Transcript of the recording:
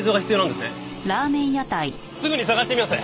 すぐに探してみます。